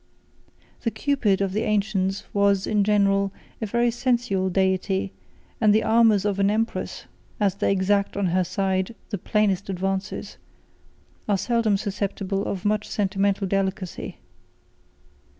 2 The Cupid of the ancients was, in general, a very sensual deity; and the amours of an empress, as they exact on her side the plainest advances, are seldom susceptible of much sentimental delicacy.